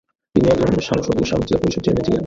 তিনি একজন সাংসদ এবং সাবেক জেলা পরিষদ চেয়ারম্যান ছিলেন।